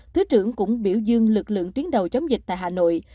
thứ trưởng cũng biểu dương lực lượng tuyến đầu chống dịch tại hà nội